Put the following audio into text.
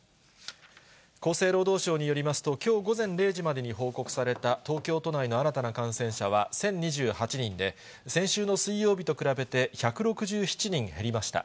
厚生労働省によりますと、きょう午前０時までに報告された東京都内の新たな感染者は１０２８人で、先週の水曜日と比べて１６７人減りました。